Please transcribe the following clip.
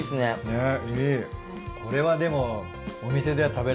ねっ。